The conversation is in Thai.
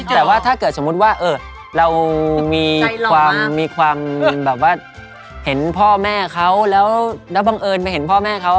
แต่ว่าถ้าเกิดสมมุติว่าเรามีความแบบว่าเห็นพ่อแม่เขาแล้วบังเอิญมาเห็นพ่อแม่เขา